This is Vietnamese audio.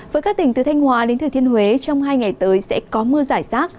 với các tỉnh từ thanh hòa đến thừa thiên huế trong hai ngày tới sẽ có mưa giải rác